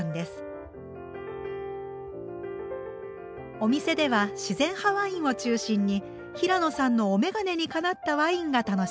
お店では自然派ワインを中心に平野さんのお眼鏡にかなったワインが楽しめます。